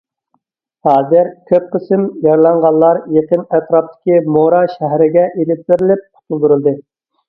ھازىر، كۆپ قىسىم يارىلانغانلار يېقىن ئەتراپتىكى مورا شەھىرىگە ئېلىپ بېرىلىپ قۇتۇلدۇرۇلدى.